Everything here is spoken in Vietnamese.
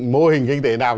mô hình kinh tế nào